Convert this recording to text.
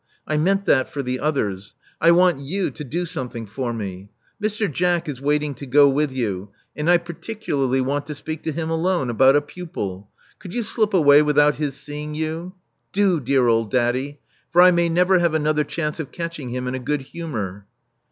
"I meant that for the others. I want you to do something for me. Mr. Jack is waiting to go with you; and I particularly want to speak to him alone — about a pupil. Could you slip away without his seeing you? Do^ dear old daddy; for I may never have another chance of catching him in a good humor."